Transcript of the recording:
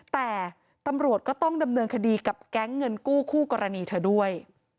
แต่ตำรวจก็ต้องดำเนินคดีกับแก๊งเงินกู้คู่กรณีเธอด้วย